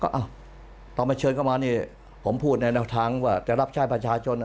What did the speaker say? เอ้าตอนมาเชิญเข้ามานี่ผมพูดในแนวทางว่าจะรับใช้ประชาชน